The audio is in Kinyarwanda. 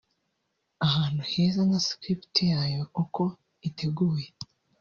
ahantu heza na script yayo(uko iteguye)